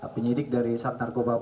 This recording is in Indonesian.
penyidik dari sat narkoba